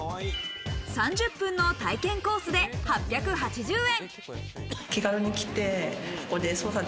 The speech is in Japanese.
３０分の体験コースで８８０円。